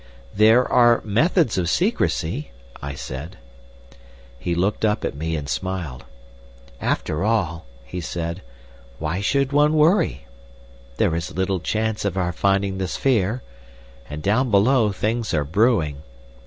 "There are methods of secrecy," I said. He looked up at me and smiled. "After all," he said, "why should one worry? There is little chance of our finding the sphere, and down below things are brewing.